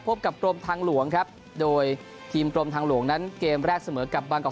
พบกับกรมทางหลวงครับโดยทีมกรมทางหลวงนั้นเกมแรกเสมอกับบางกอก